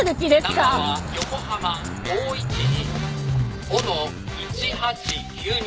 「ナンバーは横浜５１２“お”の１８−９２」